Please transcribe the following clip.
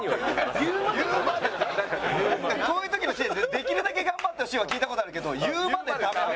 こういう時の指示って「できるだけ頑張ってほしい」は聞いた事あるけど「言うまでダメ」は聞いた事ない。